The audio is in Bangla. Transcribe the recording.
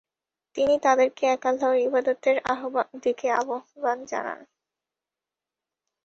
তিনি তাদেরকে এক আল্লাহর ইবাদতের দিকে আহ্বান জানান।